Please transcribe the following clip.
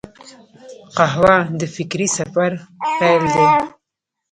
قهوه د فکري سفر پیل دی